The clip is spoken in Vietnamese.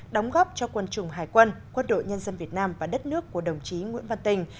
đóng góp cho quân chủng hải quân quân đội nhân dân việt nam và đất nước của đồng chí nguyễn văn tình